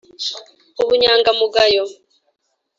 ubunyangamugayo